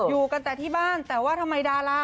อยู่กันแต่ที่บ้านแต่ว่าทำไมดารา